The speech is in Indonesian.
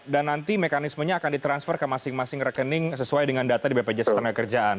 dan nanti mekanismenya akan di transfer ke masing masing rekening sesuai dengan data di bpjs ternaga kerjaan